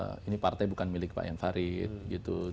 karena ini partai bukan milik pak ian farid gitu loh